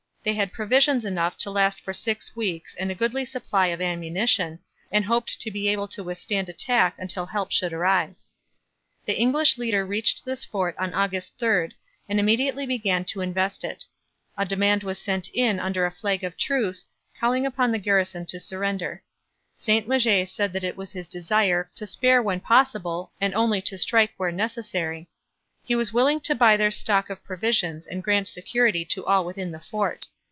They had provisions enough to last for six weeks and a goodly supply of ammunition, and hoped to be able to withstand attack until help should arrive. The English leader reached this fort on August 3, and immediately began to invest it. A demand was sent in under a flag of truce calling upon the garrison to surrender. St Leger said it was his desire 'to spare when possible' and only 'to strike where necessary.' He was willing to buy their stock of provisions and grant security to all within the fort.